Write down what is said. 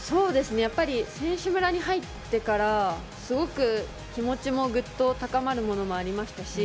選手村に入ってからすごく気持ちもぐっと高まるものもありましたし